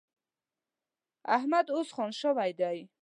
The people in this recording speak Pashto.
احمد اوس خان شوی دی.